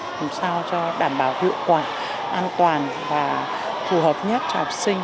làm sao cho đảm bảo hiệu quả an toàn và phù hợp nhất cho học sinh